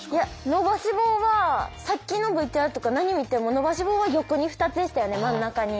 伸ばし棒はさっきのＶＴＲとか何見ても伸ばし棒は横に２つでしたよね真ん中に。